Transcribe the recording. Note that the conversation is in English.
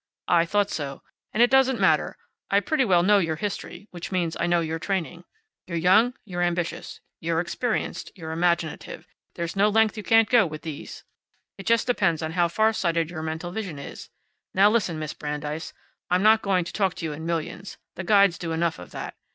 "I thought so. And it doesn't matter. I pretty well know your history, which means that I know your training. You're young; you're ambitious, you're experienced; you're imaginative. There's no length you can't go, with these. It just depends on how farsighted your mental vision is. Now listen, Miss Brandeis: I'm not going to talk to you in millions. The guides do enough of that.